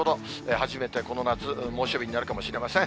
初めてこの夏、猛暑日になるかもしれません。